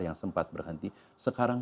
yang sempat berhenti sekarang